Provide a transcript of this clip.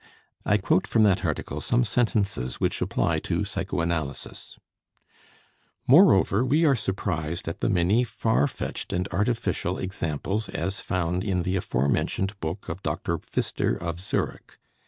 I quote from that article some sentences which apply to psychoanalysis: "Moreover, we are surprised at the many far fetched and artificial examples as found in the aforementioned book of Dr. Pfister of Zurich....